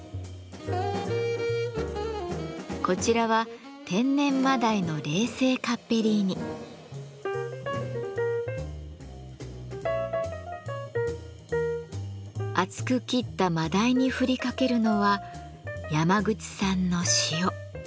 こちらは厚く切ったマダイに振りかけるのは山口産の塩。